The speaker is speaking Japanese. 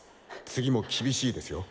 次も厳しいですよ。